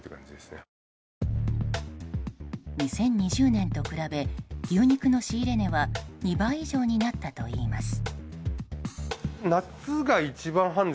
２０２０年と比べ牛肉の仕入れ値は２倍以上になったといいます。